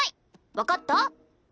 分かった？